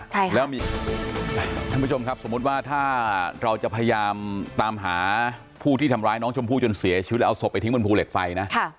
ใช่ค่ะแล้วมีท่านผู้ชมครับสมมุติว่าถ้าเราจะพยายามตามหาผู้ที่ทำร้ายน้องชมพู่จนเสียชีวิตแล้วเอาศพไปทิ้งบนภูเหล็กไฟนะ